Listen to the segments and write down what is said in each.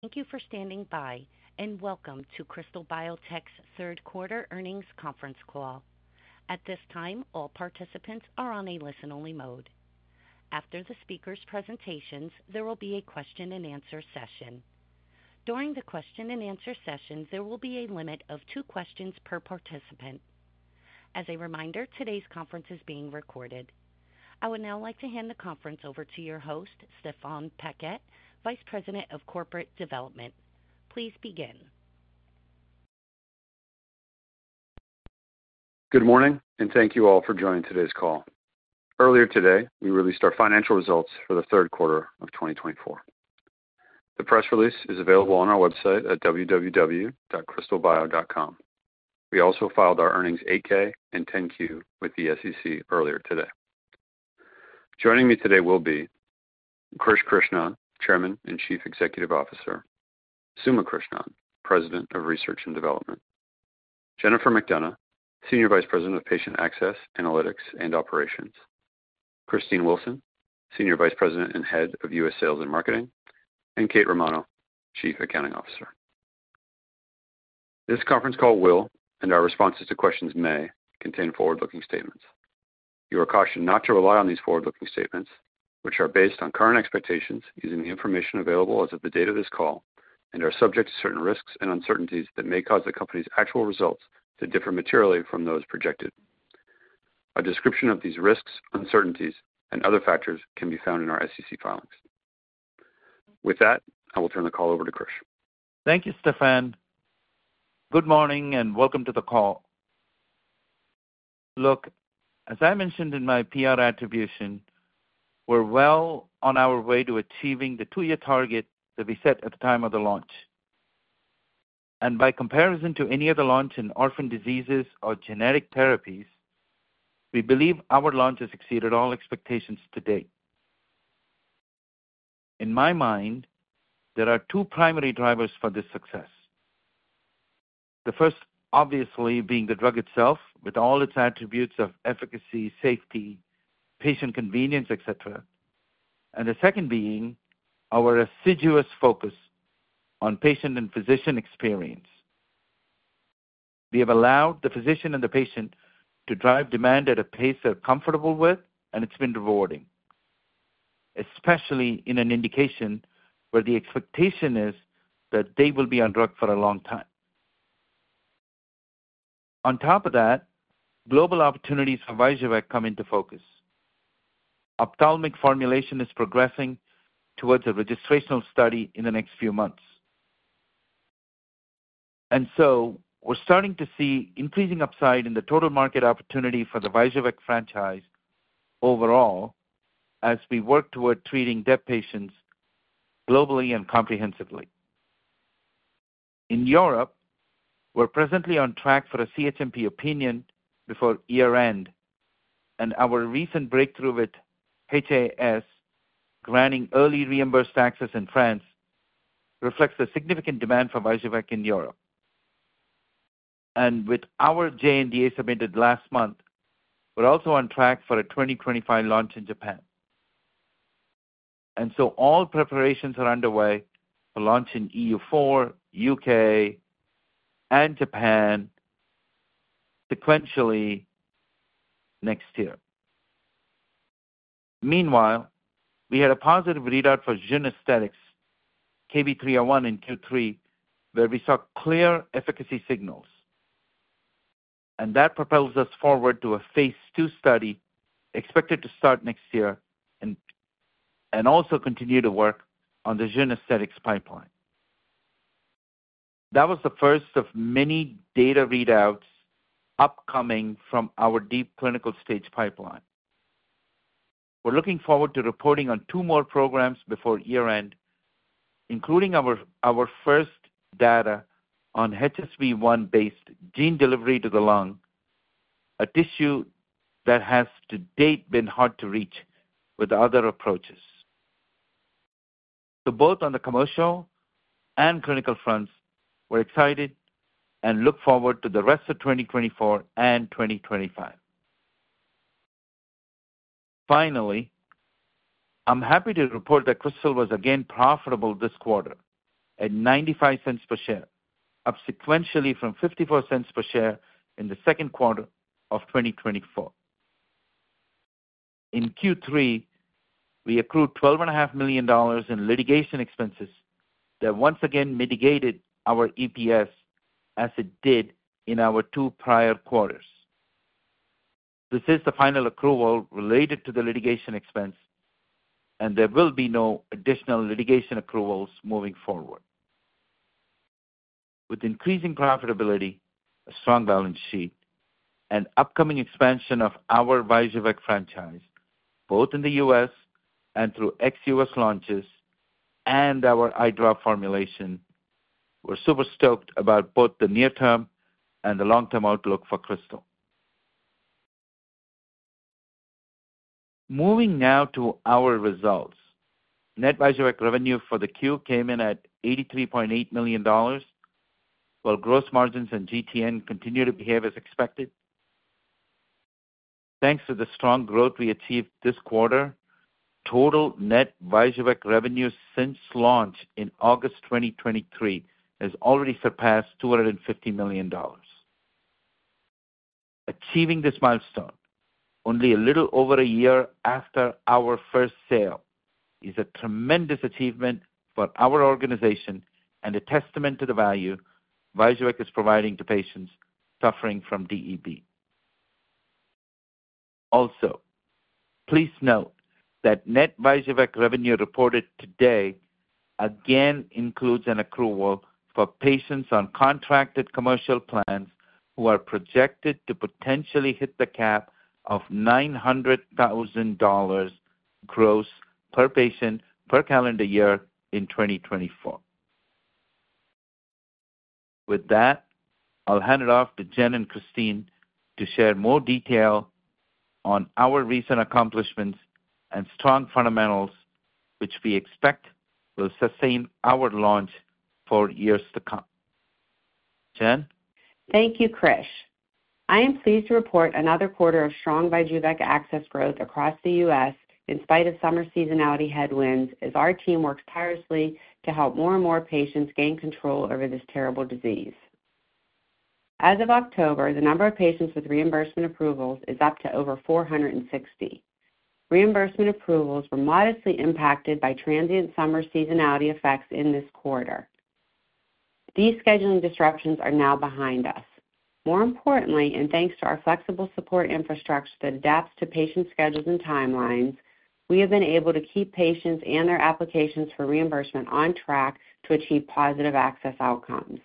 Thank you for standing by, and welcome to Krystal Biotech's third quarter earnings conference call. At this time, all participants are on a listen-only mode. After the speakers' presentations, there will be a question-and-answer session. During the question-and-answer session, there will be a limit of two questions per participant. As a reminder, today's conference is being recorded. I would now like to hand the conference over to your host, Stéphane Paquette, Vice President of Corporate Development. Please begin. Good morning, and thank you all for joining today's call. Earlier today, we released our financial results for the third quarter of 2024. The press release is available on our website at www.krystalbio.com. We also filed our earnings 8-K and 10-Q with the SEC earlier today. Joining me today will be Krish Krishnan, Chairman and Chief Executive Officer, Suma Krishnan, President of Research and Development, Jennifer McDonough, Senior Vice President of Patient Access, Analytics, and Operations, Christine Wilson, Senior Vice President and Head of U.S. Sales and Marketing, and Kate Romano, Chief Accounting Officer. This conference call, and our responses to questions, may contain forward-looking statements. You are cautioned not to rely on these forward-looking statements, which are based on current expectations using the information available as of the date of this call and are subject to certain risks and uncertainties that may cause the company's actual results to differ materially from those projected. A description of these risks, uncertainties, and other factors can be found in our SEC filings. With that, I will turn the call over to Krish. Thank you, Stéphane. Good morning, and welcome to the call. Look, as I mentioned in my prepared remarks, we're well on our way to achieving the two-year target that we set at the time of the launch, and by comparison to any other launch in orphan diseases or genetic therapies, we believe our launch has exceeded all expectations to date. In my mind, there are two primary drivers for this success. The first, obviously, being the drug itself with all its attributes of efficacy, safety, patient convenience, etc., and the second being our assiduous focus on patient and physician experience. We have allowed the physician and the patient to drive demand at a pace they're comfortable with, and it's been rewarding, especially in an indication where the expectation is that they will be on drug for a long time. On top of that, global opportunities for VYJUVEK come into focus. Ophthalmic formulation is progressing towards a registrational study in the next few months, and so we're starting to see increasing upside in the total market opportunity for the VYJUVEK franchise overall as we work toward treating DEB patients globally and comprehensively. In Europe, we're presently on track for a CHMP opinion before year-end, and our recent breakthrough with HAS granting early access in France reflects the significant demand for VYJUVEK in Europe, and with our J-NDA submitted last month, we're also on track for a 2025 launch in Japan, and so all preparations are underway for launch in EU4, U.K., and Japan sequentially next year. Meanwhile, we had a positive readout for Jeune Aesthetics KB301 in Q3, where we saw clear efficacy signals, and that propels us forward to a phase two study expected to start next year and also continue to work on the Jeune Aesthetics Pipeline. That was the first of many data readouts upcoming from our deep clinical stage pipeline. We're looking forward to reporting on two more programs before year-end, including our first data on HSV-1-based gene delivery to the lung, a tissue that has to date been hard to reach with other approaches, so both on the commercial and clinical fronts, we're excited and look forward to the rest of 2024 and 2025. Finally, I'm happy to report that Krystal was again profitable this quarter at $0.95 per share, up sequentially from $0.54 per share in the second quarter of 2024. In Q3, we accrued $12.5 million in litigation expenses that once again mitigated our EPS as it did in our two prior quarters. This is the final accrual related to the litigation expense, and there will be no additional litigation accruals moving forward. With increasing profitability, a strong balance sheet, and upcoming expansion of our VYJUVEK franchise both in the U.S. and through ex-U.S. launches and our eyedrop formulation, we're super stoked about both the near-term and the long-term outlook for Krystal. Moving now to our results. Net VYJUVEK revenue for the Q came in at $83.8 million, while gross margins and GTN continue to behave as expected. Thanks to the strong growth we achieved this quarter, total net VYJUVEK revenue since launch in August 2023 has already surpassed $250 million. Achieving this milestone, only a little over a year after our first sale, is a tremendous achievement for our organization and a testament to the value VYJUVEK is providing to patients suffering from DEB. Also, please note that net VYJUVEK revenue reported today again includes an accrual for patients on contracted commercial plans who are projected to potentially hit the cap of $900,000 gross per patient per calendar year in 2024. With that, I'll hand it off to Jen and Christine to share more detail on our recent accomplishments and strong fundamentals, which we expect will sustain our launch for years to come. Jen. Thank you, Krish. I am pleased to report another quarter of strong VYJUVEK access growth across the U.S. in spite of summer seasonality headwinds as our team works tirelessly to help more and more patients gain control over this terrible disease. As of October, the number of patients with reimbursement approvals is up to over 460. Reimbursement approvals were modestly impacted by transient summer seasonality effects in this quarter. These scheduling disruptions are now behind us. More importantly, and thanks to our flexible support infrastructure that adapts to patient schedules and timelines, we have been able to keep patients and their applications for reimbursement on track to achieve positive access outcomes.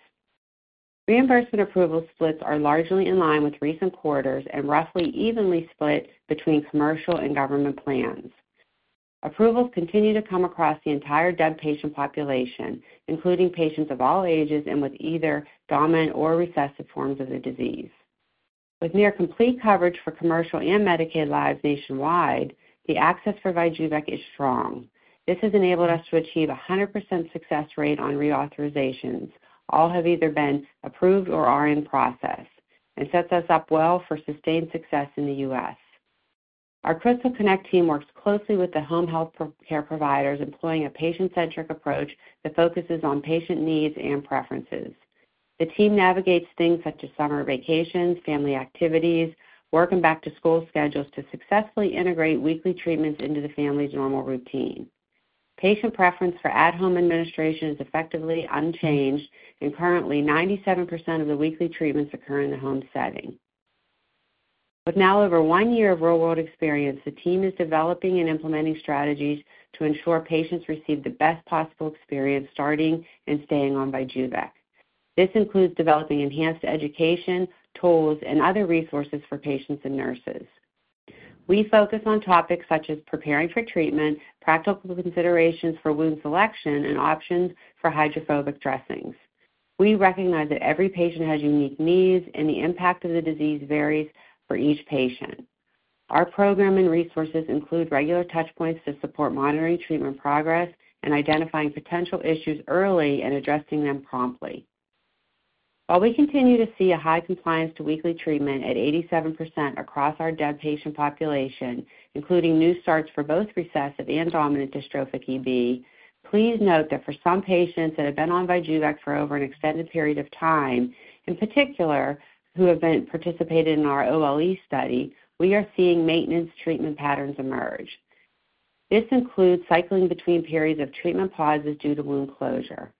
Reimbursement approval splits are largely in line with recent quarters and roughly evenly split between commercial and government plans. Approvals continue to come across the entire DEB patient population, including patients of all ages and with either dominant or recessive forms of the disease. With near complete coverage for commercial and Medicaid lives nationwide, the access for VYJUVEK is strong. This has enabled us to achieve a 100% success rate on reauthorizations, all have either been approved or are in process, and sets us up well for sustained success in the U.S. Our Krystal Connect team works closely with the home healthcare providers, employing a patient-centric approach that focuses on patient needs and preferences. The team navigates things such as summer vacations, family activities, work, and back-to-school schedules to successfully integrate weekly treatments into the family's normal routine. Patient preference for at-home administration is effectively unchanged, and currently, 97% of the weekly treatments occur in the home setting. With now over one year of real-world experience, the team is developing and implementing strategies to ensure patients receive the best possible experience starting and staying on VYJUVEK. This includes developing enhanced education, tools, and other resources for patients and nurses. We focus on topics such as preparing for treatment, practical considerations for wound selection, and options for hydrophobic dressings. We recognize that every patient has unique needs, and the impact of the disease varies for each patient. Our program and resources include regular touchpoints to support monitoring treatment progress and identifying potential issues early and addressing them promptly. While we continue to see a high compliance to weekly treatment at 87% across our DEB patient population, including new starts for both recessive and dominant Dystrophic EB, please note that for some patients that have been on VYJUVEK for over an extended period of time, in particular who have participated in our OLE study, we are seeing maintenance treatment patterns emerge. This includes cycling between periods of treatment pauses due to wound closure.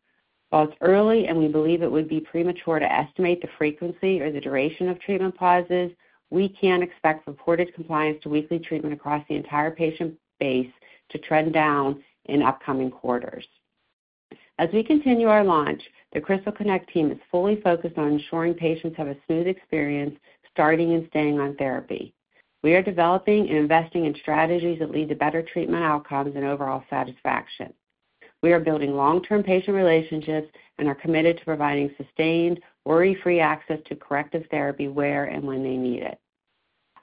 While it's early and we believe it would be premature to estimate the frequency or the duration of treatment pauses, we can expect reported compliance to weekly treatment across the entire patient base to trend down in upcoming quarters. As we continue our launch, the Krystal Connect team is fully focused on ensuring patients have a smooth experience starting and staying on therapy. We are developing and investing in strategies that lead to better treatment outcomes and overall satisfaction. We are building long-term patient relationships and are committed to providing sustained, worry-free access to corrective therapy where and when they need it.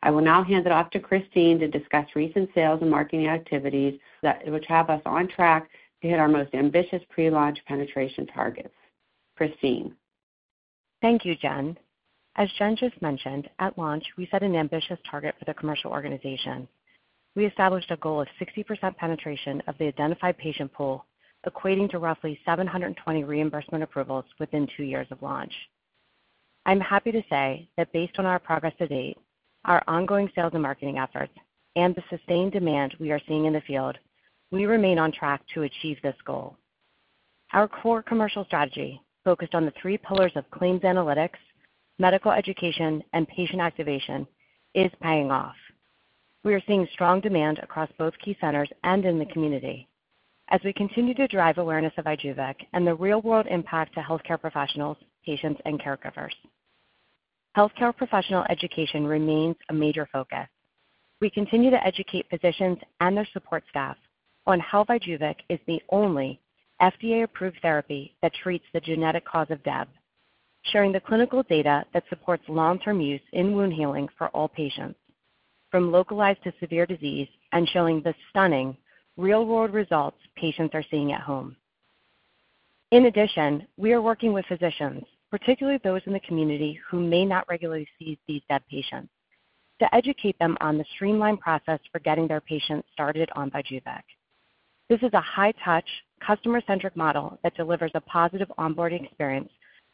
I will now hand it off to Christine to discuss recent sales and marketing activities that will have us on track to hit our most ambitious pre-launch penetration targets. Christine. Thank you, Jen. As Jen just mentioned, at launch, we set an ambitious target for the commercial organization. We established a goal of 60% penetration of the identified patient pool, equating to roughly 720 reimbursement approvals within two years of launch. I'm happy to say that based on our progress to date, our ongoing sales and marketing efforts, and the sustained demand we are seeing in the field, we remain on track to achieve this goal. Our core commercial strategy, focused on the three pillars of claims analytics, medical education, and patient activation, is paying off. We are seeing strong demand across both key centers and in the community as we continue to drive awareness of VYJUVEK and the real-world impact to healthcare professionals, patients, and caregivers. Healthcare professional education remains a major focus. We continue to educate physicians and their support staff on how VYJUVEK is the only FDA-approved therapy that treats the genetic cause of DEB, sharing the clinical data that supports long-term use in wound healing for all patients, from localized to severe disease, and showing the stunning real-world results patients are seeing at home. In addition, we are working with physicians, particularly those in the community who may not regularly see these DEB patients, to educate them on the streamlined process for getting their patients started on VYJUVEK. This is a high-touch, customer-centric model that delivers a positive onboarding experience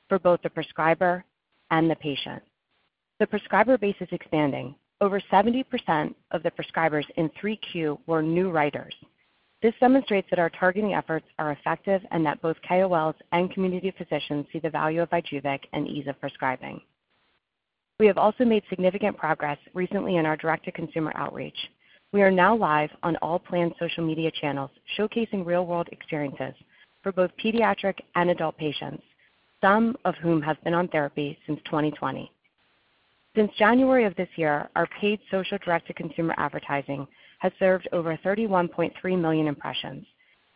for both the prescriber and the patient. The prescriber base is expanding. Over 70% of the prescribers in 3Q were new writers. This demonstrates that our targeting efforts are effective and that both KOLs and community physicians see the value of VYJUVEK and ease of prescribing. We have also made significant progress recently in our direct-to-consumer outreach. We are now live on all planned social media channels showcasing real-world experiences for both pediatric and adult patients, some of whom have been on therapy since 2020. Since January of this year, our paid social direct-to-consumer advertising has served over 31.3 million impressions,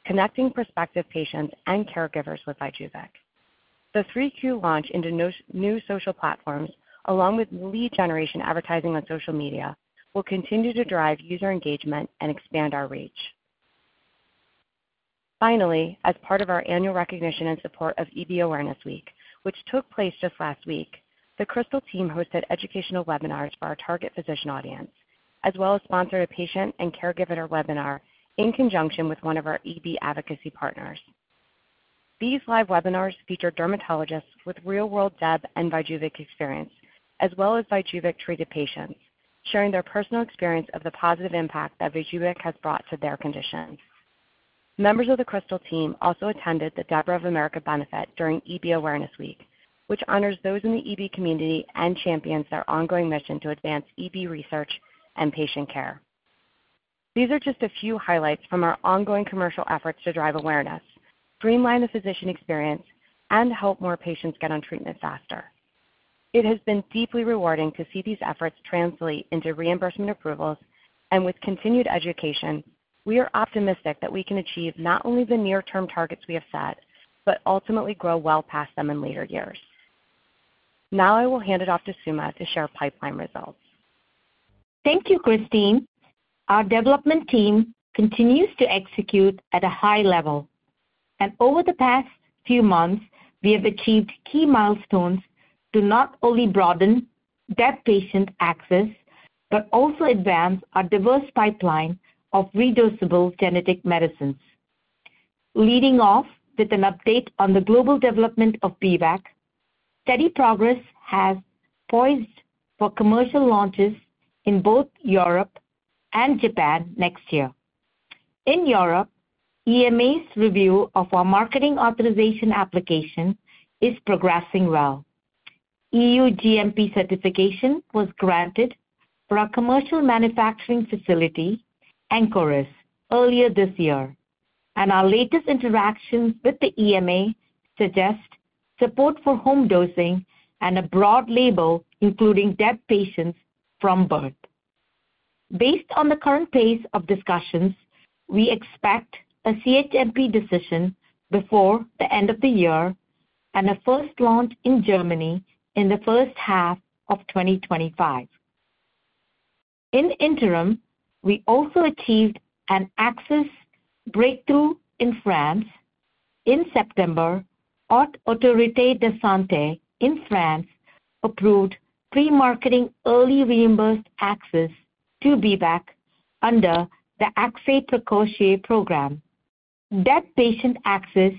connecting prospective patients and caregivers with VYJUVEK. The 3Q launch into new social platforms, along with lead generation advertising on social media, will continue to drive user engagement and expand our reach. Finally, as part of our annual recognition and support of EB Awareness Week, which took place just last week, the Krystal team hosted educational webinars for our target physician audience, as well as sponsored a patient and caregiver webinar in conjunction with one of our EB advocacy partners. These live webinars feature dermatologists with real-world DEB and VYJUVEK experience, as well as VYJUVEK-treated patients, sharing their personal experience of the positive impact that VYJUVEK has brought to their conditions. Members of the Krystal team also attended the Debra of America benefit during EB Awareness Week, which honors those in the EB community and champions their ongoing mission to advance EB research and patient care. These are just a few highlights from our ongoing commercial efforts to drive awareness, streamline the physician experience, and help more patients get on treatment faster. It has been deeply rewarding to see these efforts translate into reimbursement approvals, and with continued education, we are optimistic that we can achieve not only the near-term targets we have set, but ultimately grow well past them in later years. Now I will hand it off to Suma to share pipeline results. Thank you, Christine. Our development team continues to execute at a high level, and over the past few months, we have achieved key milestones to not only broaden DEB patient access, but also advance our diverse pipeline of reversible genetic medicines. Leading off with an update on the global development of B-VEC, steady progress has poised for commercial launches in both Europe and Japan next year. In Europe, EMA's review of our marketing authorization application is progressing well. EU GMP certification was granted for our commercial manufacturing facility, ANCORIS, earlier this year, and our latest interactions with the EMA suggest support for home dosing and a broad label, including DEB patients from birth. Based on the current pace of discussions, we expect a CHMP decision before the end of the year and a first launch in Germany in the first half of 2025. In the interim, we also achieved an access breakthrough in France in September. Haute Autorité de Santé in France approved pre-marketing early reimbursed access to B-VEC under the Accès Précoce program. DEB patient access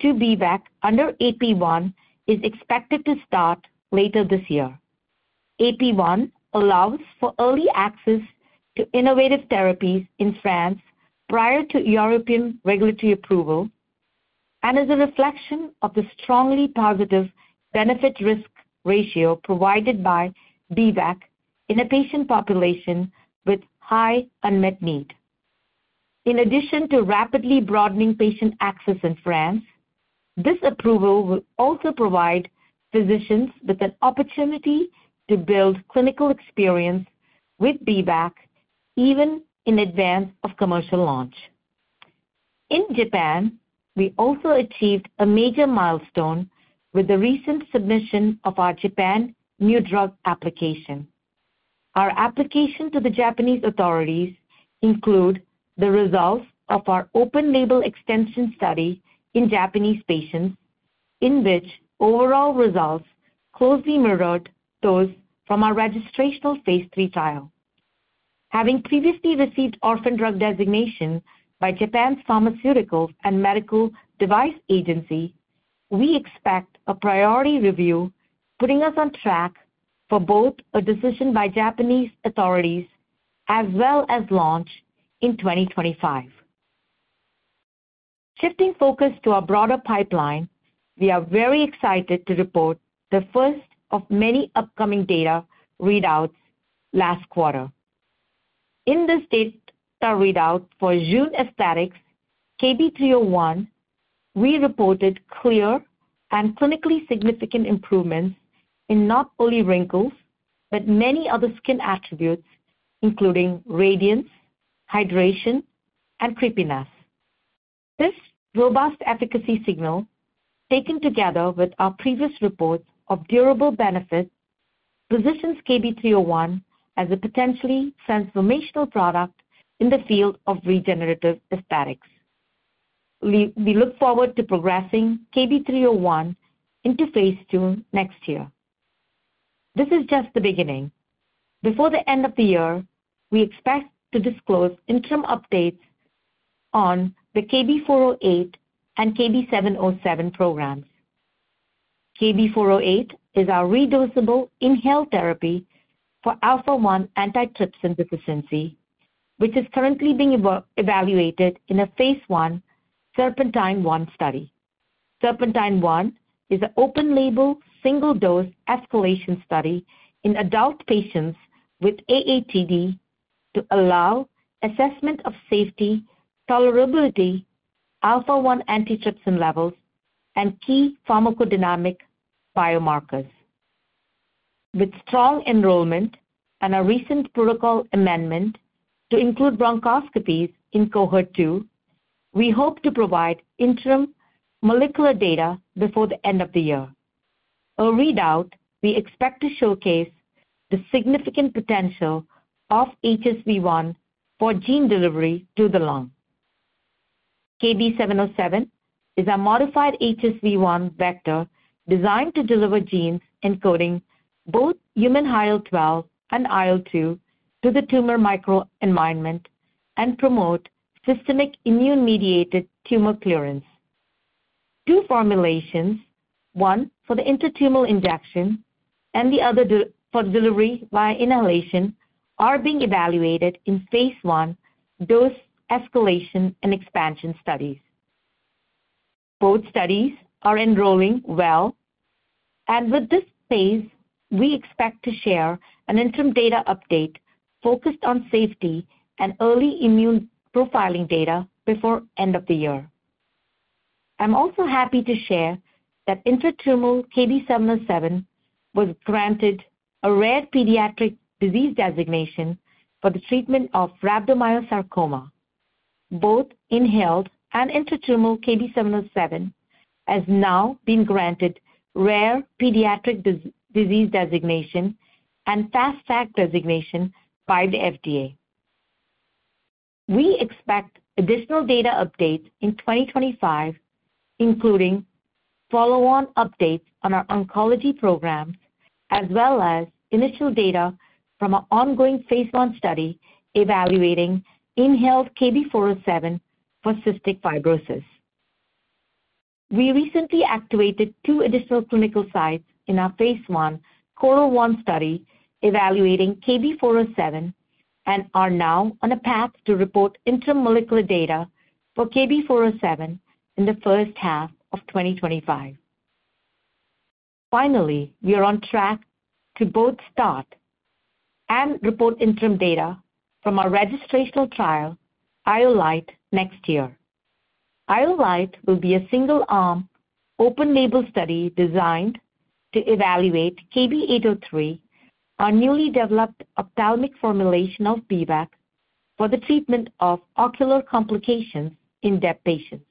to B-VEC under AP1 is expected to start later this year. AP1 allows for early access to innovative therapies in France prior to European regulatory approval and is a reflection of the strongly positive benefit-risk ratio provided by B-VEC in a patient population with high unmet need. In addition to rapidly broadening patient access in France, this approval will also provide physicians with an opportunity to build clinical experience with B-VEC even in advance of commercial launch. In Japan, we also achieved a major milestone with the recent submission of our Japan New Drug Application. Our application to the Japanese authorities includes the results of our Open Label Extension study in Japanese patients, in which overall results closely mirrored those from our registrational phase three trial. Having previously received Orphan Drug Designation by Japan's Pharmaceuticals and Medical Device Agency, we expect a priority review putting us on track for both a decision by Japanese authorities as well as launch in 2025. Shifting focus to a broader pipeline, we are very excited to report the first of many upcoming data readouts last quarter. In this data readout for Jeune Aesthetics, KB301, we reported clear and clinically significant improvements in not only wrinkles, but many other skin attributes, including radiance, hydration, and crepiness. This robust efficacy signal, taken together with our previous reports of durable benefits, positions KB301 as a potentially transformational product in the field of regenerative aesthetics. We look forward to progressing KB301 into phase 2 next year. This is just the beginning. Before the end of the year, we expect to disclose interim updates on the KB408 and KB707 programs. KB408 is our reversible inhaled therapy for Alpha-1 antitrypsin deficiency, which is currently being evaluated in a phase 1 Serpentine-1 study. Serpentine-1 is an open label single-dose escalation study in adult patients with AATD to allow assessment of safety, tolerability, Alpha-1 antitrypsin levels, and key pharmacodynamic biomarkers. With strong enrollment and a recent protocol amendment to include bronchoscopies in cohort 2, we hope to provide interim molecular data before the end of the year. A readout we expect to showcase the significant potential of HSV-1 for gene delivery to the lung. KB707 is a modified HSV-1 vector designed to deliver genes encoding both human IL-12 and IL-2 to the tumor microenvironment and promote systemic immune-mediated tumor clearance. Two formulations, one for the intratumoral injection and the other for delivery via inhalation, are being evaluated in phase 1 dose escalation and expansion studies. Both studies are enrolling well, and with this phase, we expect to share an interim data update focused on safety and early immune profiling data before the end of the year. I'm also happy to share that intratumoral KB707 was granted a rare pediatric disease designation for the treatment of rhabdomyosarcoma. Both inhaled and intratumoral KB707 have now been granted rare pediatric disease designation and fast track designation by the FDA. We expect additional data updates in 2025, including follow-on updates on our oncology programs, as well as initial data from our ongoing phase 1 study evaluating inhaled KB407 for cystic fibrosis. We recently activated two additional clinical sites in our phase 1 CORAL-1 study evaluating KB407 and are now on a path to report interim data for KB407 in the first half of 2025. Finally, we are on track to both start and report interim data from our registrational trial, IOLITE, next year. IOLITE will be a single-arm open label study designed to evaluate KB803, our newly developed ophthalmic formulation of B-VEC, for the treatment of ocular complications in DEB patients.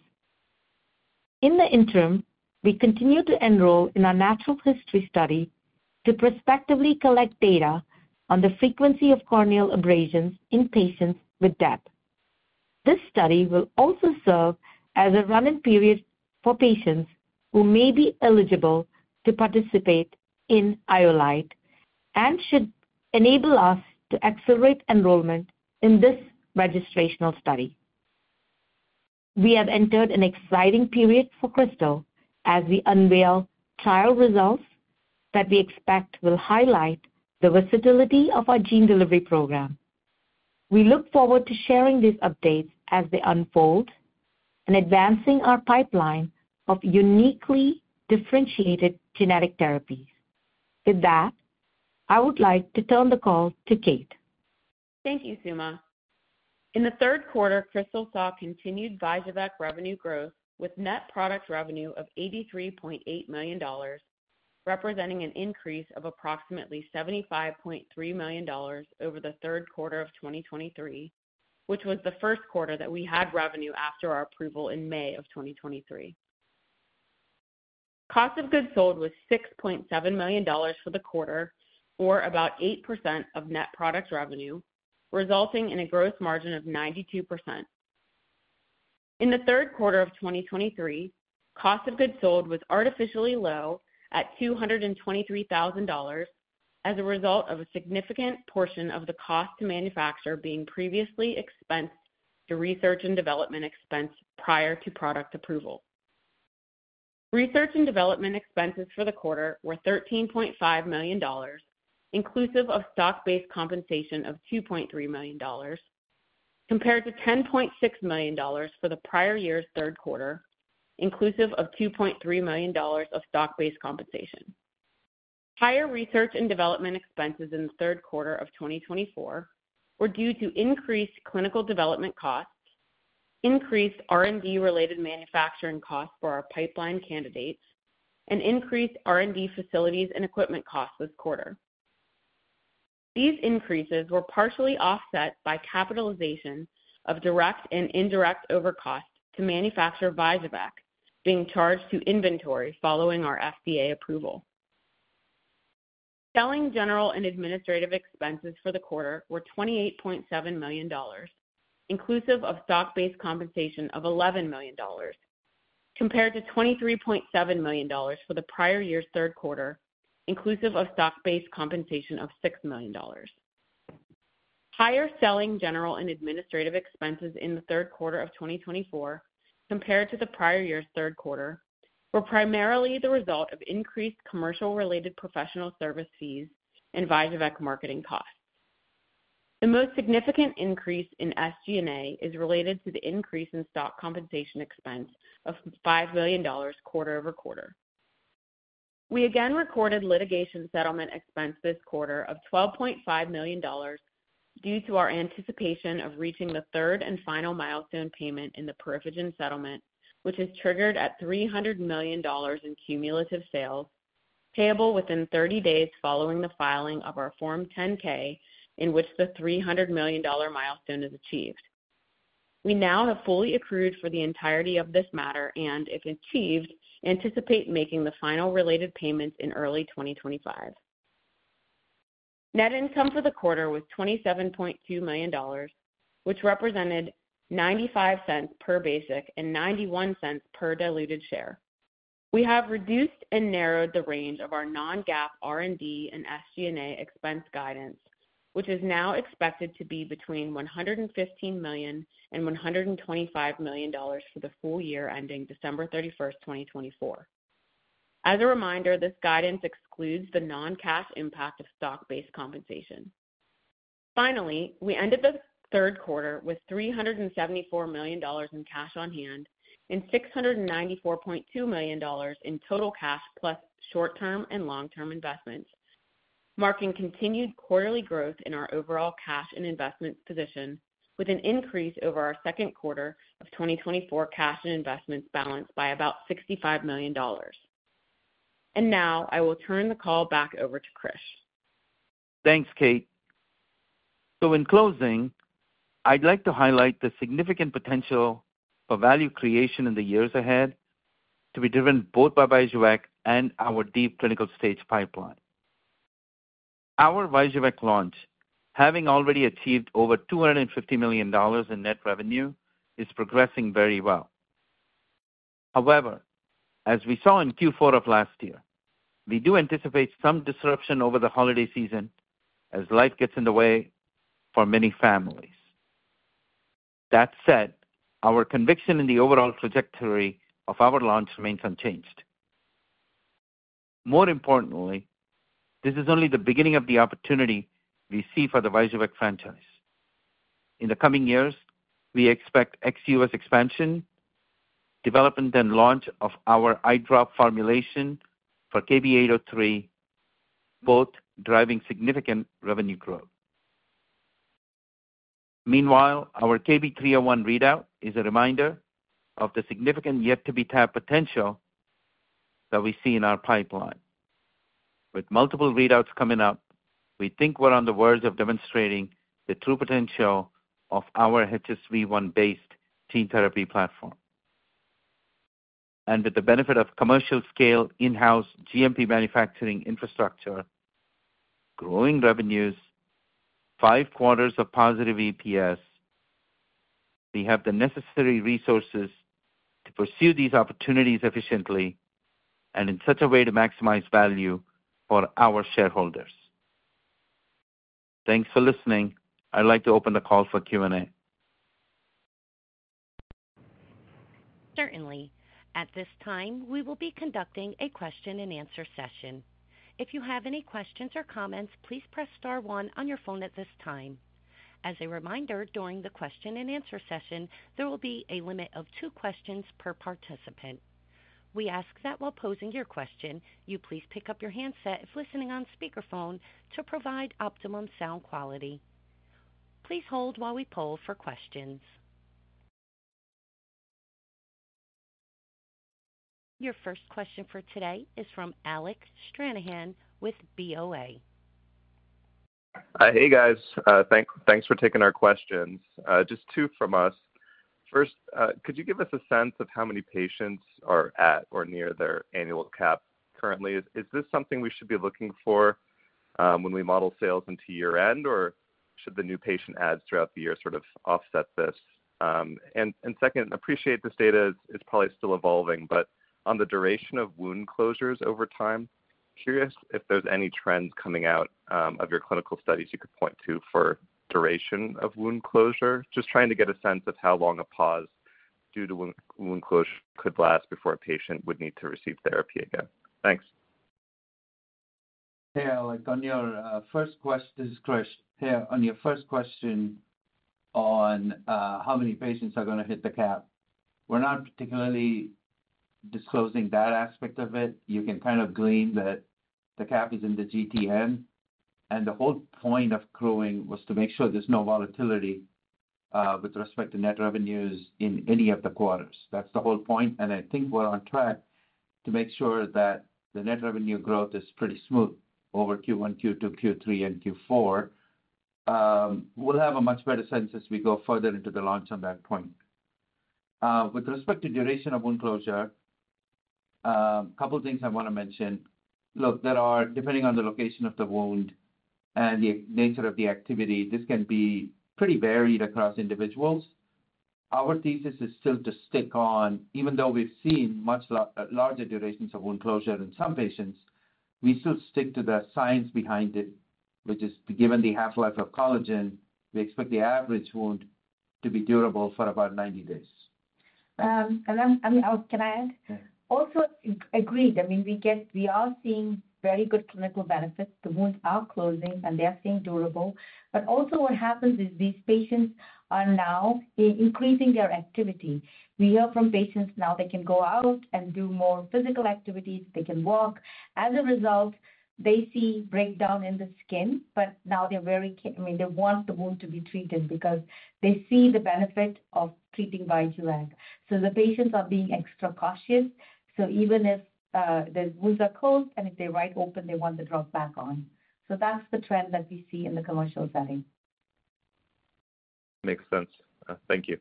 In the interim, we continue to enroll in our natural history study to prospectively collect data on the frequency of corneal abrasions in patients with DEB. This study will also serve as a running period for patients who may be eligible to participate in IOLITE and should enable us to accelerate enrollment in this registrational study. We have entered an exciting period for Krystal as we unveil trial results that we expect will highlight the versatility of our gene delivery program. We look forward to sharing these updates as they unfold and advancing our pipeline of uniquely differentiated genetic therapies. With that, I would like to turn the call to Kate. Thank you, Suma. In the third quarter, Krystal saw continued VYJUVEK revenue growth with net product revenue of $83.8 million, representing an increase of approximately $75.3 million over the third quarter of 2023, which was the first quarter that we had revenue after our approval in May of 2023. Cost of goods sold was $6.7 million for the quarter, or about 8% of net product revenue, resulting in a gross margin of 92%. In the third quarter of 2023, cost of goods sold was artificially low at $223,000 as a result of a significant portion of the cost to manufacture being previously expensed to research and development expense prior to product approval. Research and development expenses for the quarter were $13.5 million, inclusive of stock-based compensation of $2.3 million, compared to $10.6 million for the prior year's third quarter, inclusive of $2.3 million of stock-based compensation. Higher research and development expenses in the third quarter of 2024 were due to increased clinical development costs, increased R&D-related manufacturing costs for our pipeline candidates, and increased R&D facilities and equipment costs this quarter. These increases were partially offset by capitalization of direct and indirect overhead costs to manufacture VYJUVEK, being charged to inventory following our FDA approval. Selling general and administrative expenses for the quarter were $28.7 million, inclusive of stock-based compensation of $11 million, compared to $23.7 million for the prior year's third quarter, inclusive of stock-based compensation of $6 million. Higher selling general and administrative expenses in the third quarter of 2024, compared to the prior year's third quarter, were primarily the result of increased commercial-related professional service fees and VYJUVEK marketing costs. The most significant increase in SG&A is related to the increase in stock compensation expense of $5 million quarter over quarter. We again recorded litigation settlement expense this quarter of $12.5 million due to our anticipation of reaching the third and final milestone payment in the PeriphaGen settlement, which is triggered at $300 million in cumulative sales, payable within 30 days following the filing of our Form 10-K, in which the $300 million milestone is achieved. We now have fully accrued for the entirety of this matter and, if achieved, anticipate making the final related payments in early 2025. Net income for the quarter was $27.2 million, which represented $0.95 per basic and $0.91 per diluted share. We have reduced and narrowed the range of our non-GAAP R&D and SG&A expense guidance, which is now expected to be between $115 million and $125 million for the full year ending December 31, 2024. As a reminder, this guidance excludes the non-cash impact of stock-based compensation. Finally, we ended the third quarter with $374 million in cash on hand and $694.2 million in total cash plus short-term and long-term investments, marking continued quarterly growth in our overall cash and investment position, with an increase over our second quarter of 2024 cash and investments balanced by about $65 million. And now I will turn the call back over to Krish. Thanks, Kate. So in closing, I'd like to highlight the significant potential for value creation in the years ahead to be driven both by VYJUVEK and our deep clinical stage pipeline. Our VYJUVEK launch, having already achieved over $250 million in net revenue, is progressing very well. However, as we saw in Q4 of last year, we do anticipate some disruption over the holiday season as life gets in the way for many families. That said, our conviction in the overall trajectory of our launch remains unchanged. More importantly, this is only the beginning of the opportunity we see for the VYJUVEK franchise. In the coming years, we expect XUS expansion, development, and launch of our eyedrop formulation for KB803, both driving significant revenue growth. Meanwhile, our KB301 readout is a reminder of the significant yet-to-be-tapped potential that we see in our pipeline. With multiple readouts coming up, we think we're on the verge of demonstrating the true potential of our HSV-1-based gene therapy platform, and with the benefit of commercial-scale in-house GMP manufacturing infrastructure, growing revenues, five quarters of positive EPS, we have the necessary resources to pursue these opportunities efficiently and in such a way to maximize value for our shareholders. Thanks for listening. I'd like to open the call for Q&A. Certainly. At this time, we will be conducting a question-and-answer session. If you have any questions or comments, please press star one on your phone at this time. As a reminder, during the question-and-answer session, there will be a limit of two questions per participant. We ask that while posing your question, you please pick up your handset if listening on speakerphone to provide optimum sound quality. Please hold while we poll for questions. Your first question for today is from Alec Stranahan with BOA. Hey, guys. Thanks for taking our questions. Just two from us. First, could you give us a sense of how many patients are at or near their annual cap currently? Is this something we should be looking for when we model sales into year-end, or should the new patient adds throughout the year sort of offset this? And second, I appreciate this data is probably still evolving, but on the duration of wound closures over time, curious if there's any trends coming out of your clinical studies you could point to for duration of wound closure, just trying to get a sense of how long a pause due to wound closure could last before a patient would need to receive therapy again. Thanks. Hey, Alec. On your first question, this is Krish. Hey, on your first question on how many patients are going to hit the cap, we're not particularly disclosing that aspect of it. You can kind of glean that the cap is in the GTN, and the whole point of growing was to make sure there's no volatility with respect to net revenues in any of the quarters. That's the whole point, and I think we're on track to make sure that the net revenue growth is pretty smooth over Q1, Q2, Q3, and Q4. We'll have a much better sense as we go further into the launch on that point. With respect to duration of wound closure, a couple of things I want to mention. Look, there are, depending on the location of the wound and the nature of the activity, this can be pretty varied across individuals. Our thesis is still to stick on, even though we've seen much larger durations of wound closure in some patients. We still stick to the science behind it, which is, given the half-life of collagen, we expect the average wound to be durable for about 90 days. And I mean, can I add? Also, agreed. I mean, we are seeing very good clinical benefits. The wounds are closing, and they are staying durable. But also, what happens is these patients are now increasing their activity. We hear from patients now they can go out and do more physical activities. They can walk. As a result, they see breakdown in the skin, but now they're very—I mean, they want the wound to be treated because they see the benefit of treating VYJUVEK. So the patients are being extra cautious. So even if the wounds are closed and if they're wide open, they want the drug back on. So that's the trend that we see in the commercial setting. Makes sense. Thank you.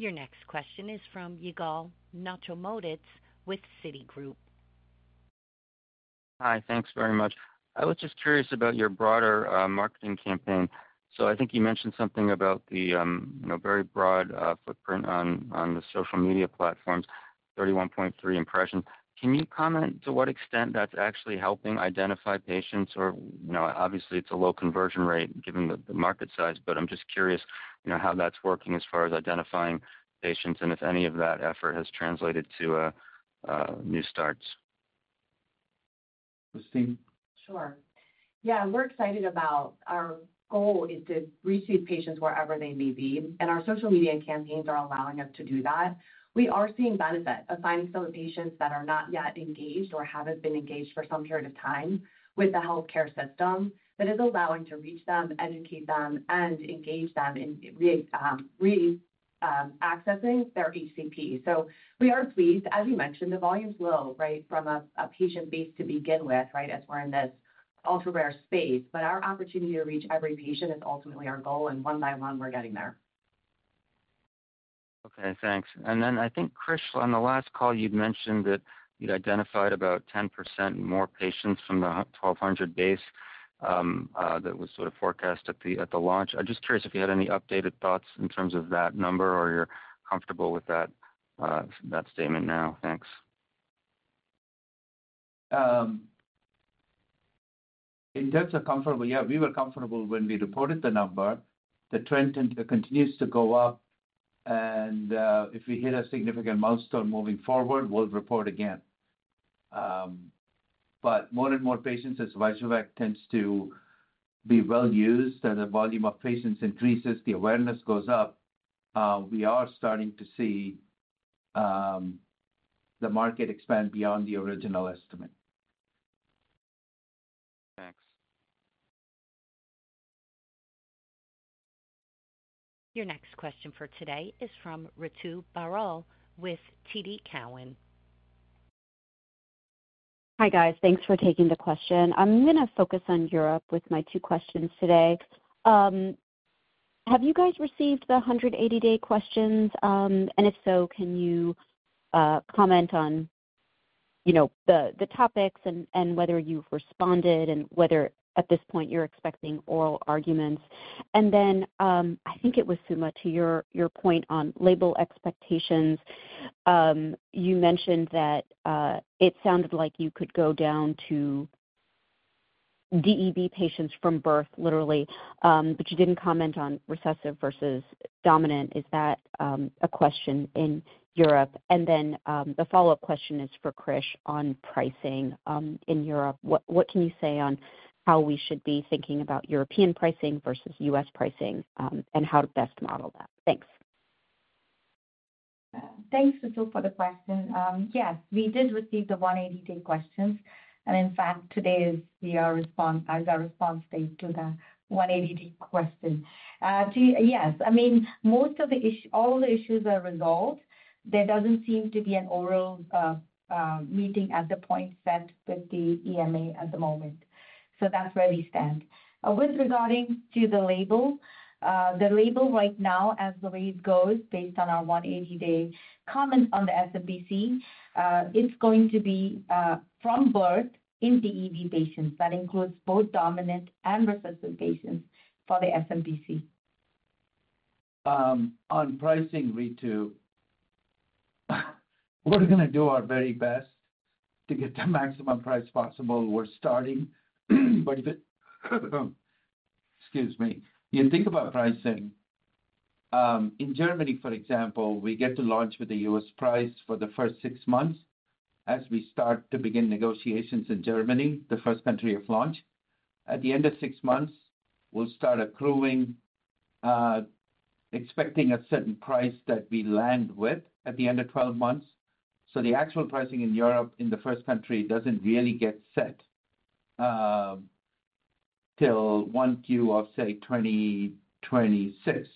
Your next question is from Yigal Nochomovitz with Citigroup. Hi, thanks very much. I was just curious about your broader marketing campaign. So I think you mentioned something about the very broad footprint on the social media platforms, 31.3 impressions. Can you comment to what extent that's actually helping identify patients? Or obviously, it's a low conversion rate given the market size, but I'm just curious how that's working as far as identifying patients and if any of that effort has translated to new starts. Christine? Sure. Yeah, we're excited about our goal is to reach these patients wherever they may be. And our social media campaigns are allowing us to do that. We are seeing benefit of finding some of the patients that are not yet engaged or haven't been engaged for some period of time with the healthcare system that is allowing to reach them, educate them, and engage them in reaccessing their HCP. So we are pleased. As you mentioned, the volume's low, right, from a patient base to begin with, right, as we're in this ultra-rare space. But our opportunity to reach every patient is ultimately our goal, and one by one we're getting there. Okay, thanks. And then I think, Krish, on the last call, you'd mentioned that you'd identified about 10% more patients from the 1,200 base that was sort of forecast at the launch. I'm just curious if you had any updated thoughts in terms of that number, or you're comfortable with that statement now? Thanks. In terms of comfortable, yeah, we were comfortable when we reported the number. The trend continues to go up, and if we hit a significant milestone moving forward, we'll report again. But more and more patients, as VYJUVEK tends to be well used, and the volume of patients increases, the awareness goes up, we are starting to see the market expand beyond the original estimate. Thanks. Your next question for today is from Ritu Baral with TD Cowen. Hi, guys. Thanks for taking the question. I'm going to focus on Europe with my two questions today. Have you guys received the 180-day questions? And if so, can you comment on the topics and whether you've responded and whether at this point you're expecting oral arguments? And then I think it was Suma, to your point on label expectations, you mentioned that it sounded like you could go down to DEB patients from birth, literally, but you didn't comment on recessive versus dominant. Is that a question in Europe? And then the follow-up question is for Krish on pricing in Europe. What can you say on how we should be thinking about European pricing versus U.S. pricing and how to best model that? Thanks. Thanks, Ritu, for the question. Yes, we did receive the 180-day questions, and in fact, today is our response date to the 180-day question. Yes, I mean, all the issues are resolved. There doesn't seem to be an oral meeting at this point set with the EMA at the moment. So that's where we stand. With regard to the label, the label right now, as the wave goes based on our 180-day comment on the SmPC, it's going to be from birth in DEB patients. That includes both dominant and recessive patients for the SmPC. On pricing, Ritu, we're going to do our very best to get the maximum price possible. We're starting, but if it—excuse me. You think about pricing. In Germany, for example, we get to launch with the U.S. price for the first six months as we start to begin negotiations in Germany, the first country of launch. At the end of six months, we'll start accruing, expecting a certain price that we land with at the end of 12 months. So the actual pricing in Europe in the first country doesn't really get set till Q1 of, say, 2026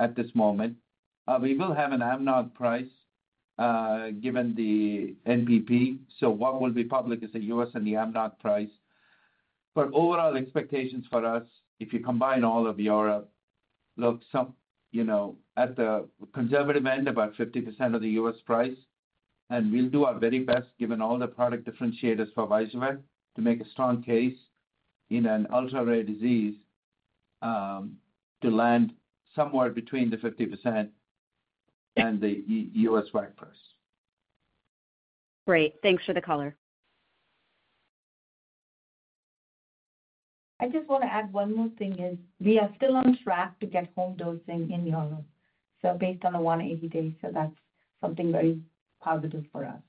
at this moment. We will have an AMNOG price given the NPP. So what will be public is the U.S. and the AMNOG price. But overall expectations for us, if you combine all of Europe, look, at the conservative end, about 50% of the U.S. price. We'll do our very best, given all the product differentiators for VYJUVEK, to make a strong case in an ultra-rare disease to land somewhere between the 50% and the U.S. WAC price. Great. Thanks for the color. I just want to add one more thing is, we are still on track to get home dosing in Europe. So based on the 180 days, so that's something very positive for us.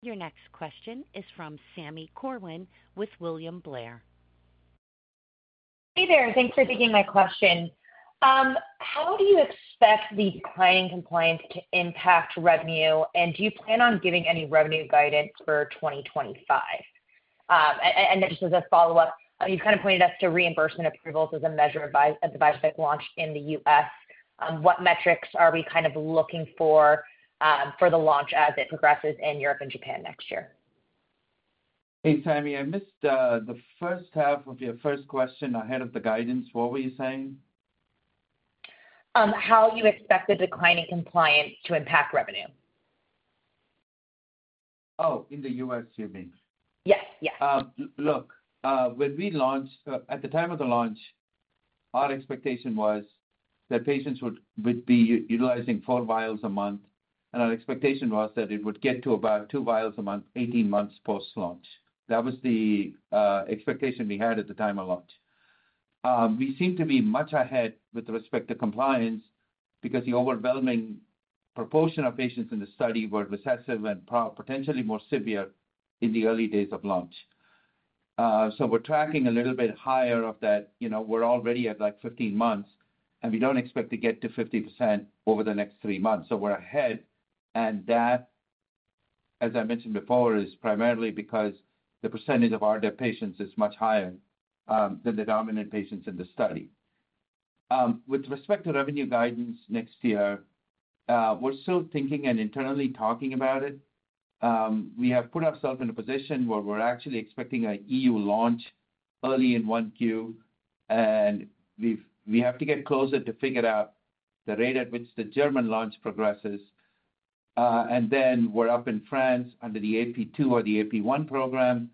Your next question is from Sami Corwin with William Blair. Hey there. Thanks for taking my question. How do you expect the client compliance to impact revenue, and do you plan on giving any revenue guidance for 2025? This is a follow-up. You've kind of pointed us to reimbursement approvals as a measure of VYJUVEK launch in the U.S. What metrics are we kind of looking for for the launch as it progresses in Europe and Japan next year? Hey, Sami, I missed the first half of your first question ahead of the guidance. What were you saying? How you expect the declining compliance to impact revenue? Oh, in the U.S., you mean? Yes, yes. Look, when we launched at the time of the launch, our expectation was that patients would be utilizing four vials a month, and our expectation was that it would get to about two vials a month 18 months post-launch. That was the expectation we had at the time of launch. We seem to be much ahead with respect to compliance because the overwhelming proportion of patients in the study were recessive and potentially more severe in the early days of launch. So we're tracking a little bit higher of that. We're already at like 15 months, and we don't expect to get to 50% over the next three months. So we're ahead. And that, as I mentioned before, is primarily because the percentage of our DEB patients is much higher than the dominant patients in the study. With respect to revenue guidance next year, we're still thinking and internally talking about it. We have put ourselves in a position where we're actually expecting an E.U. launch early in one Q, and we have to get closer to figure out the rate at which the German launch progresses. And then we're up in France under the ATU or the AP1 program.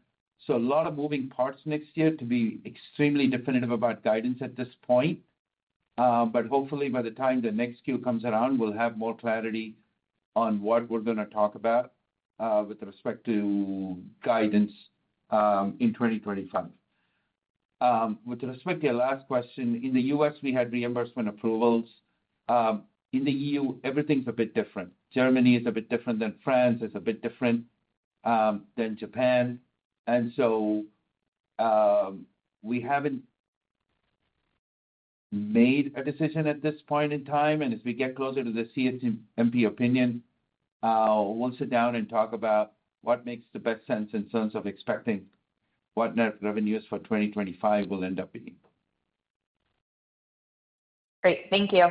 So a lot of moving parts next year to be extremely definitive about guidance at this point. But hopefully, by the time the next Q comes around, we'll have more clarity on what we're going to talk about with respect to guidance in 2025. With respect to your last question, in the U.S., we had reimbursement approvals. In the E.U., everything's a bit different. Germany is a bit different than France. It's a bit different than Japan. So we haven't made a decision at this point in time. And as we get closer to the CHMP opinion, we'll sit down and talk about what makes the best sense in terms of expecting what net revenues for 2025 will end up being. Great. Thank you.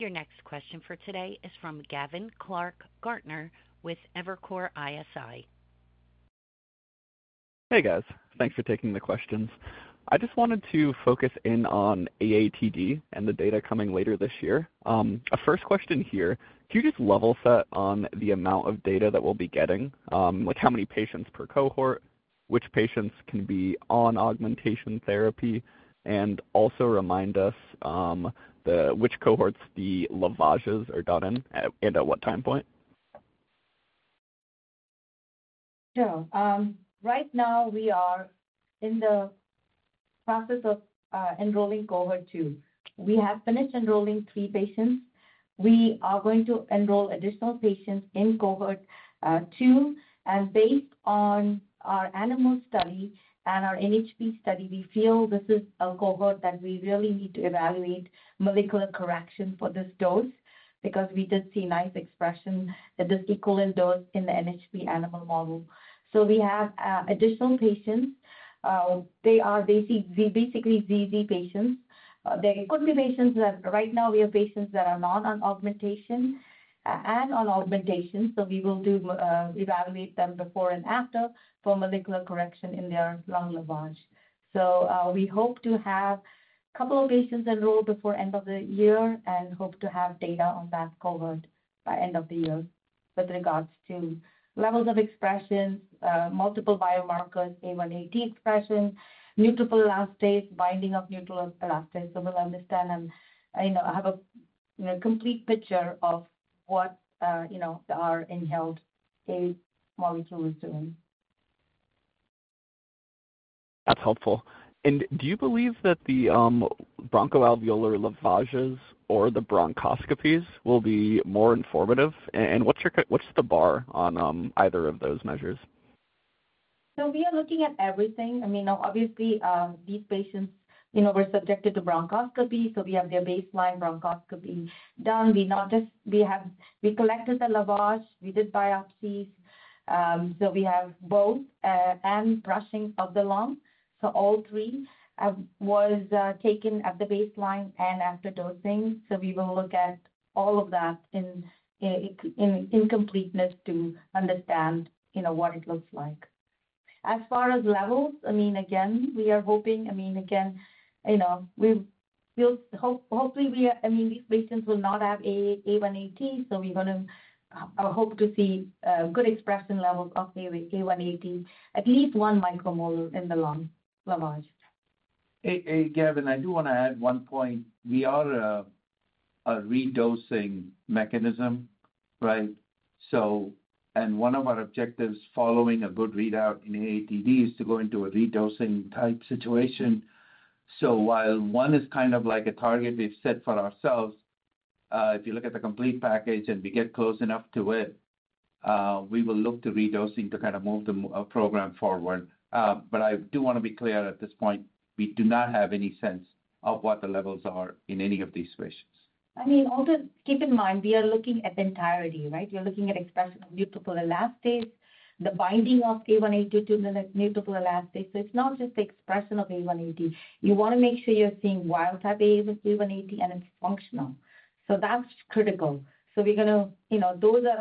Your next question for today is from Gavin Clark-Gartner with Evercore ISI. Hey, guys. Thanks for taking the questions. I just wanted to focus in on AATD and the data coming later this year. A first question here, can you just level set on the amount of data that we'll be getting? How many patients per cohort? Which patients can be on augmentation therapy? And also remind us which cohorts the lavages are done in and at what time point? Sure. Right now, we are in the process of enrolling cohort two. We have finished enrolling three patients. We are going to enroll additional patients in cohort two. And based on our animal study and our NHP study, we feel this is a cohort that we really need to evaluate molecular correction for this dose because we did see nice expression at this equivalent dose in the NHP animal model. So we have additional patients. They are basically ZZ patients. There could be patients that right now we have patients that are not on augmentation and on augmentation. So we will evaluate them before and after for molecular correction in their lung lavage. We hope to have a couple of patients enrolled before the end of the year and hope to have data on that cohort by the end of the year with regards to levels of expressions, multiple biomarkers, AAT expression, neutrophil elastase, binding of neutrophil elastase. We'll understand and have a complete picture of what our inhaled AAV molecule is doing. That's helpful and do you believe that the bronchoalveolar lavages or the bronchoscopies will be more informative and what's the bar on either of those measures? So we are looking at everything. I mean, obviously, these patients were subjected to bronchoscopy. So we have their baseline bronchoscopy done. We collected the lavage. We did biopsies. So we have BAL and brushing of the lung. So all three was taken at the baseline and after dosing. So we will look at all of that in completeness to understand what it looks like. As far as levels, I mean, again, we are hoping. I mean, again, hopefully, I mean, these patients will not have A1AT. So we're going to hope to see good expression levels of A1AT, at least one micromolar in the lung lavage. Hey, Gavin, I do want to add one point. We are a redosing mechanism, right? And one of our objectives following a good readout in AATD is to go into a redosing type situation. So while one is kind of like a target we've set for ourselves, if you look at the complete package and we get close enough to it, we will look to redosing to kind of move the program forward. But I do want to be clear at this point, we do not have any sense of what the levels are in any of these patients. I mean, also keep in mind, we are looking at the entirety, right? We're looking at expression of neutrophil elastase, the binding of A1AT to the neutrophil elastase. So it's not just the expression of A1AT. You want to make sure you're seeing wild-type A1AT and it's functional. So that's critical. So we're going to.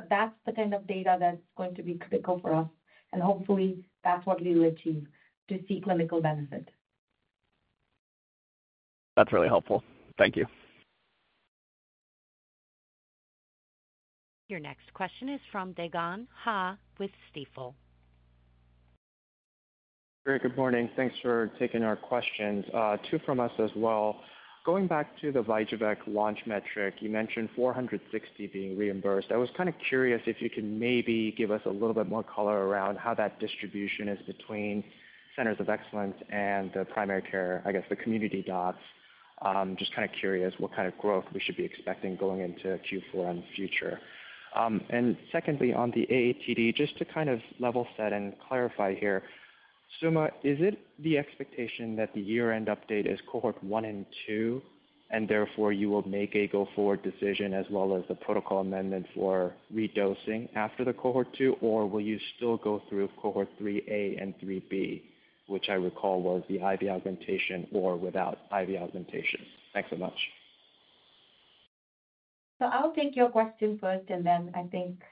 That's the kind of data that's going to be critical for us, and hopefully, that's what we will achieve to see clinical benefit. That's really helpful. Thank you. Your next question is from Dae Gon Ha with Stifel. Great. Good morning. Thanks for taking our questions. Two from us as well. Going back to the VYJUVEK launch metric, you mentioned 460 being reimbursed. I was kind of curious if you can maybe give us a little bit more color around how that distribution is between centers of excellence and the primary care, I guess, the community docs. Just kind of curious what kind of growth we should be expecting going into Q4 and future. And secondly, on the AATD, just to kind of level set and clarify here, Suma, is it the expectation that the year-end update is cohort one and two, and therefore you will make a go-forward decision as well as the protocol amendment for redosing after the cohort two, or will you still go through cohort 3A and 3B, which I recall was the IV augmentation or without IV augmentation? Thanks so much. So I'll take your question first, and then I think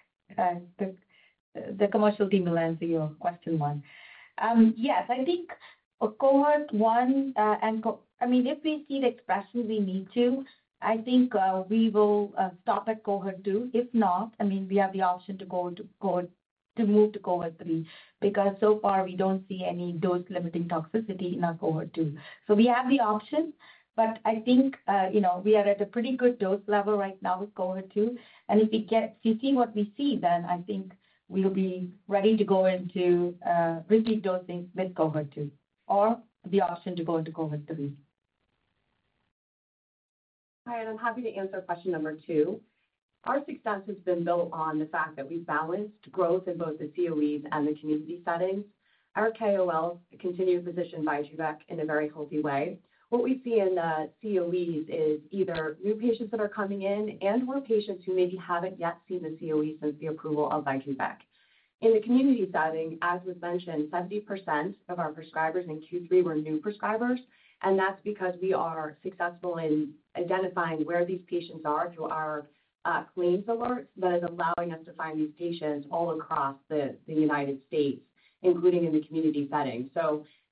the commercial team will answer your question one. Yes, I think cohort one, I mean, if we see the expression we need to, I think we will stop at cohort two. If not, I mean, we have the option to move to cohort three because so far we don't see any dose-limiting toxicity in our cohort two. So we have the option, but I think we are at a pretty good dose level right now with cohort two. And if we see what we see, then I think we'll be ready to go into repeat dosing with cohort two or the option to go into cohort three. Hi, and I'm happy to answer question number two. Our success has been built on the fact that we've balanced growth in both the COEs and the community settings. Our KOLs continue to position VYJUVEK in a very healthy way. What we see in the COEs is either new patients that are coming in and/or patients who maybe haven't yet seen the COE since the approval of VYJUVEK. In the community setting, as was mentioned, 70% of our prescribers in Q3 were new prescribers. And that's because we are successful in identifying where these patients are through our claims alerts that is allowing us to find these patients all across the United States, including in the community setting.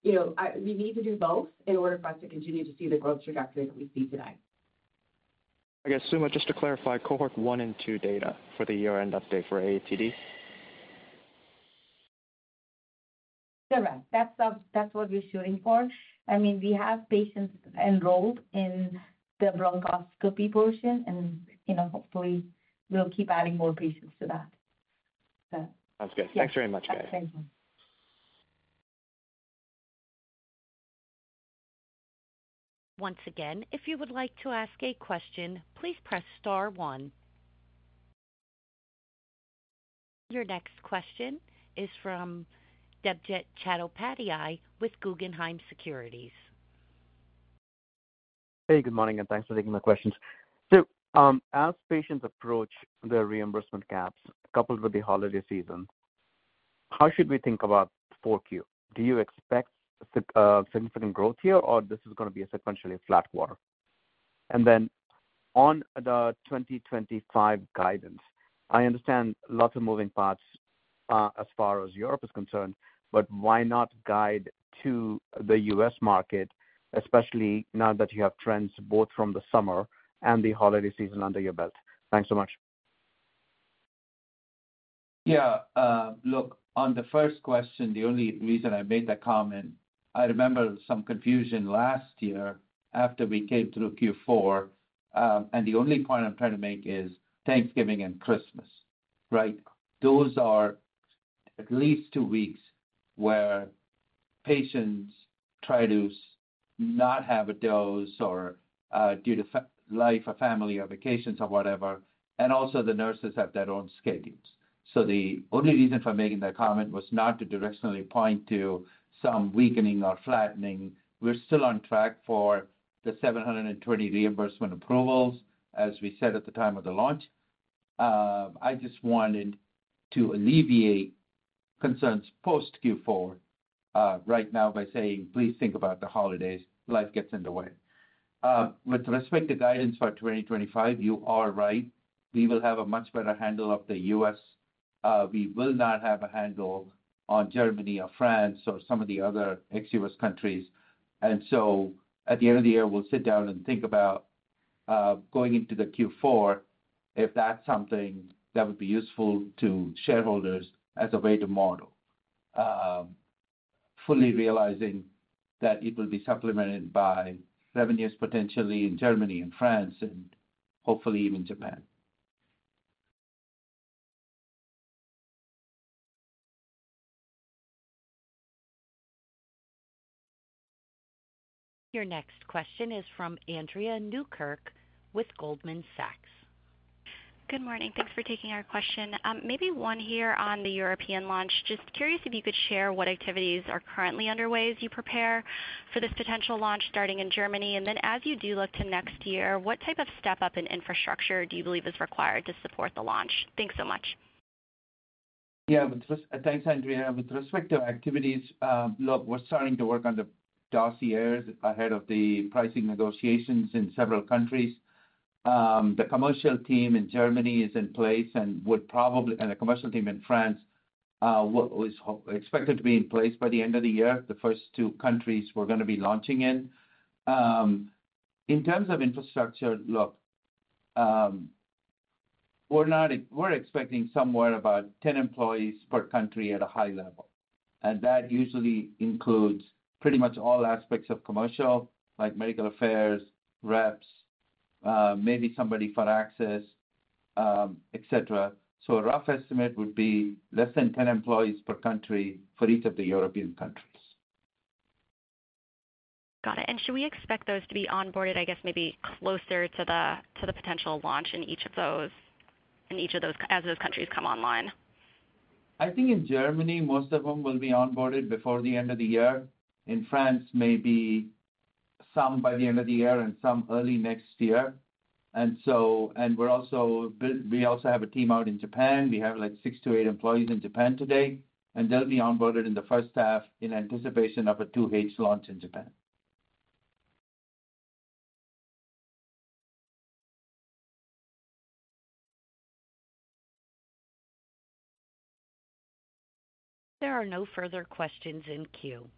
So we need to do both in order for us to continue to see the growth trajectory that we see today. I guess, Suma, just to clarify, cohort one and two data for the year-end update for AATD? Correct. That's what we're shooting for. I mean, we have patients enrolled in the bronchoscopy portion, and hopefully, we'll keep adding more patients to that. Sounds good. Thanks very much, guys. Thank you. Once again, if you would like to ask a question, please press star one. Your next question is from Debjit Chattopadhyay with Guggenheim Securities. Hey, good morning, and thanks for taking my questions. So as patients approach their reimbursement caps coupled with the holiday season, how should we think about 4Q? Do you expect significant growth here, or this is going to be a sequentially flat quarter? And then on the 2025 guidance, I understand lots of moving parts as far as Europe is concerned, but why not guide to the U.S. market, especially now that you have trends both from the summer and the holiday season under your belt? Thanks so much. Yeah. Look, on the first question, the only reason I made that comment, I remember some confusion last year after we came through Q4. And the only point I'm trying to make is Thanksgiving and Christmas, right? Those are at least two weeks where patients try to not have a dose or due to life or family or vacations or whatever. And also, the nurses have their own schedules. So the only reason for making that comment was not to directionally point to some weakening or flattening. We're still on track for the 720 reimbursement approvals, as we said at the time of the launch. I just wanted to alleviate concerns post Q4 right now by saying, "Please think about the holidays. Life gets in the way." With respect to guidance for 2025, you are right. We will have a much better handle of the U.S. We will not have a handle on Germany or France or some of the other ex-U.S. countries. And so at the end of the year, we'll sit down and think about going into the Q4 if that's something that would be useful to shareholders as a way to model, fully realizing that it will be supplemented by revenues potentially in Germany and France and hopefully even Japan. Your next question is from Andrea Newkirk with Goldman Sachs. Good morning. Thanks for taking our question. Maybe one here on the European launch. Just curious if you could share what activities are currently underway as you prepare for this potential launch starting in Germany. And then as you do look to next year, what type of step-up in infrastructure do you believe is required to support the launch? Thanks so much. Yeah. Thanks, Andrea. With respect to activities, look, we're starting to work on the dossiers ahead of the pricing negotiations in several countries. The commercial team in Germany is in place, and the commercial team in France is expected to be in place by the end of the year. The first two countries we're going to be launching in. In terms of infrastructure, look, we're expecting somewhere about 10 employees per country at a high level. And that usually includes pretty much all aspects of commercial, like medical affairs, reps, maybe somebody for access, etc. A rough estimate would be less than 10 employees per country for each of the European countries. Got it. And should we expect those to be onboarded, I guess, maybe closer to the potential launch in each of those as those countries come online? I think in Germany, most of them will be onboarded before the end of the year. In France, maybe some by the end of the year and some early next year. And we also have a team out in Japan. We have like six to eight employees in Japan today. And they'll be onboarded in the first half in anticipation of a 2H launch in Japan. There are no further questions in queue.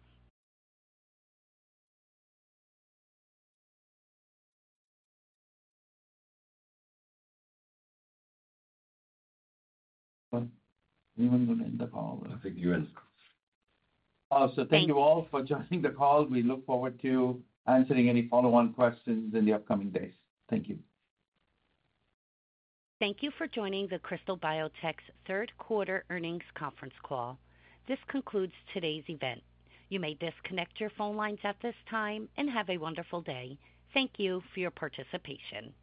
Anyone want to end the call? I think you ended the call. So thank you all for joining the call. We look forward to answering any follow-on questions in the upcoming days. Thank you. Thank you for joining the Krystal Biotech's third quarter earnings conference call. This concludes today's event. You may disconnect your phone lines at this time and have a wonderful day. Thank you for your participation.